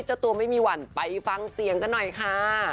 เจ้าตัวไม่มีหวั่นไปฟังเสียงกันหน่อยค่ะ